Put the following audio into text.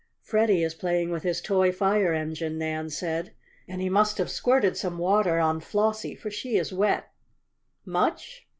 "Freddie is playing with his toy fire engine," Nan said. "And he must have squirted some water on Flossie, for she is wet." "Much?"